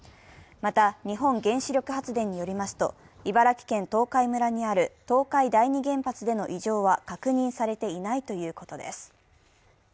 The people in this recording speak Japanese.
また日本原子力発電によりますと、茨城県東海村にある東海第二原発での異常は確認されていないということです。